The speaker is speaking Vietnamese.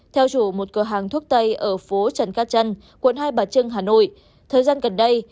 theo chủ một cửa hàng thuốc tây ở phố trần cát trân quận hai bà trưng hà nội thời gian gần đây